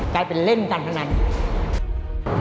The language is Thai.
กลายเป็นเล่นกันขนาดนี้